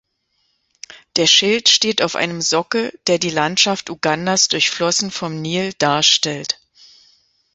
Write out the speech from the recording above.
Der Schild steht auf einem Sockel, der die Landschaft Ugandas durchflossen vom Nil darstellt.